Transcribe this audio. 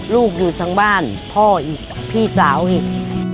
ลูกอยู่ทั้งบ้านพ่ออีกพี่สาวอีก